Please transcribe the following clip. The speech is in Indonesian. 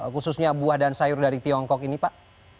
khususnya buah dan sayur dari tiongkok ini pak